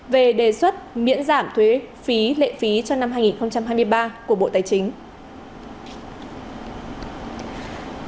về đề xuất miễn giảm thuế phí lệ phí cho năm hai nghìn hai mươi ba của bộ tài chính